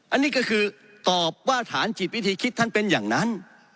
อันนี้ก็คือตอบว่าฐานจิตวิธีคิดท่านเป็นอย่างนั้น